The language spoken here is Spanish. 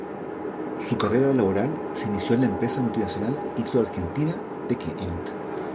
Su carrera laboral se inició en la empresa multinacional Italo-Argentina Techint.